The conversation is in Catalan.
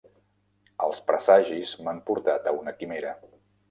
Els presagis m'han portat a una quimera.